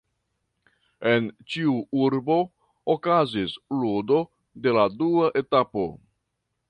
En ĉiu urbo okazis ludo de la dua etapo.